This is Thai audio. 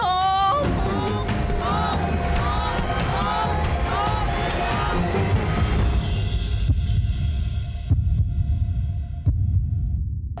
ถูกต้องต้องต้องต้องถูกต้อง